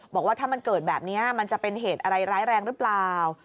บอกว่าถ้ามันเกิดแบบนี้มันจะเป็นเหตุอะไรร้ายแรงหรือเปล่า